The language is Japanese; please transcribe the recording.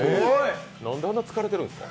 何であんなに疲れてるんですか？